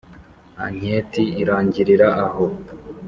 anketi irangirira aho!